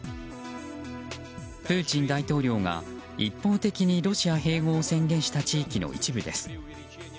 プーチン大統領が一方的にロシア併合を宣言した地域の一部です。